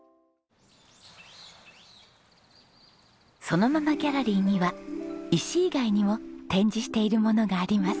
そのままギャラリーには石以外にも展示しているものがあります。